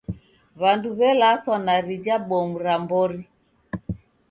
W'andu w'elaswa na rija bomu ra mbori.